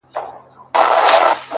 وران خو وراني كيسې نه كوي ـ